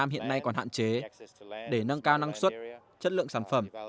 việt nam hiện nay còn hạn chế để nâng cao năng suất chất lượng sản phẩm